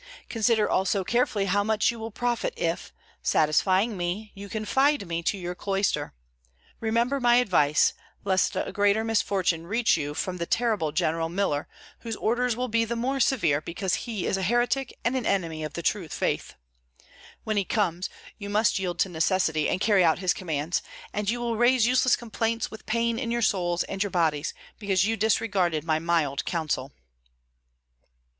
Consider also carefully how much you will profit if, satisfying me, you confide to me your cloister. Remember my advice, lest a greater misfortune reach you from the terrible General Miller, whose orders will be the more severe because he is a heretic and an enemy of the true faith. When he comes, you must yield to necessity and carry out his commands; and you will raise useless complaints with pain in your souls and your bodies, because you disregarded my mild counsel."